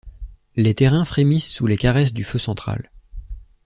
Les terrains frémissent sous les caresses du feu central.